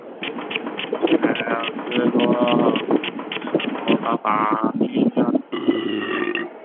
西梅尔斯多尔夫是德国巴伐利亚州的一个市镇。